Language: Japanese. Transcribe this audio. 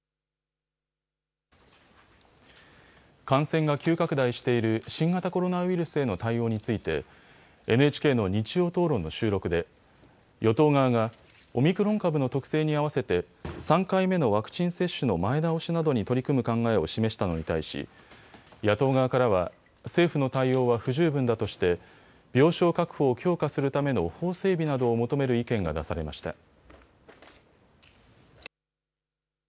感染が急拡大している新型コロナウイルスへの対応についてＮＨＫの日曜討論の収録で与党側がオミクロン株の特性に合わせて３回目のワクチン接種の前倒しなどに取り組む考えを示したのに対し野党側からは政府の対応は不十分だとして病床確保を強化するための法整備などを求める意見が出されました。